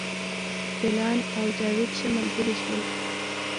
جلان او جاوید ښه ملګري شول